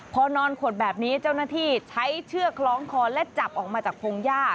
พอนอนขดแบบนี้เจ้าหน้าที่ใช้เชือกคล้องคอและจับออกมาจากพงหญ้า